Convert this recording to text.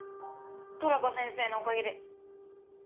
トラコ先生のおかげで。